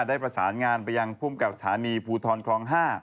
ได้ประสานงานไปยังภูมิกับสถานีภูทรคลอง๕